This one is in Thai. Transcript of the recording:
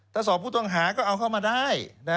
ถ้าสอบผู้ต้องหาก็เอาเข้ามาได้